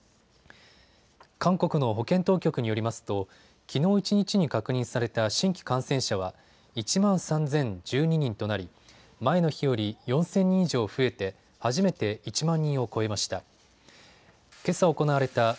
韓国の保健当局によりますときのう一日に確認された新規感染者は１万３０１２人となり前の日より４０００人以上増えて初めて１万人を超えました。